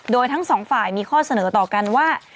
โดยทั้งสองฝ่ายมีข้อเสนอต่อกันว่า